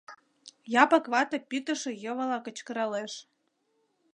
Япык вате пӱктышӧ йывыла кычкыралеш.